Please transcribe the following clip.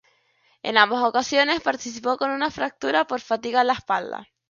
En ambas ocasiones participó con una fractura por fatiga en la espalda.